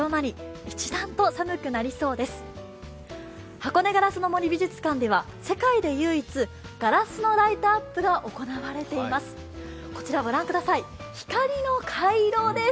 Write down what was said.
箱根ガラスの森美術館では世界で唯一、ガラスのライトアップが行われています。